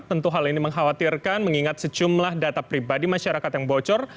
tentu hal ini mengkhawatirkan mengingat sejumlah data pribadi masyarakat yang bocor